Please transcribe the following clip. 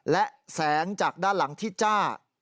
และแสงจากด้านหลังที่จ้า